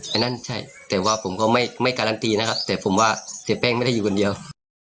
อันนั้นใช่แต่ว่าผมก็ไม่การันตีนะครับแต่ผมว่าเสียแป้งไม่ได้อยู่คนเดียว